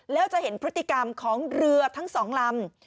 แล้วจะเห็นพฤติกรรมของเรือทั้งสองลำ